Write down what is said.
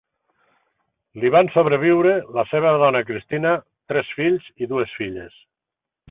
Li van sobreviure la seva dona, Cristina, tres fills i dues filles.